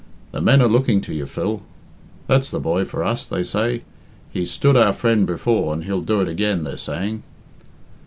The men are looking to you, Phil. 'That's the boy for us,' says they. 'He's stood our friend before, and he'll do it again,' they're saying."